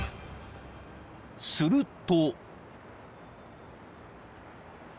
［すると］